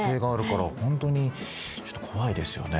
本当にちょっと怖いですよね。